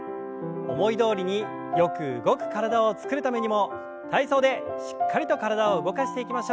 思いどおりによく動く体を作るためにも体操でしっかりと体を動かしていきましょう。